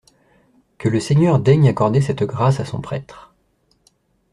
Que le Seigneur daigne accorder cette grâce à son prêtre!